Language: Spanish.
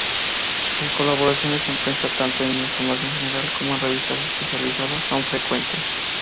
Sus colaboraciones en prensa, tanto de información general como en revistas especializadas, son frecuentes.